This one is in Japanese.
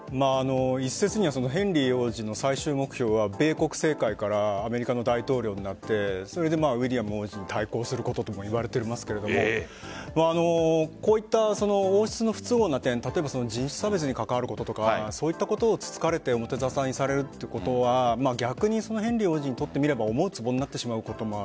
一説にはヘンリー王子の最終目標はアメリカの大統領になってそれでウィリアム王子に対抗することともいわれていますがこういった王室の不都合な点人種差別に関わることとかはつつかれて表沙汰にされるということはヘンリー王子にとってみれば思うつぼになってしまうこともある。